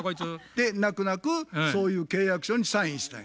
で泣く泣くそういう契約書にサインしたんや。